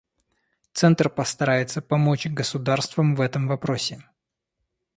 Центр постарается помочь государствам в этом вопросе.